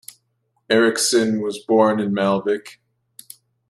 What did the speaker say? Eriksen was born in Malvik.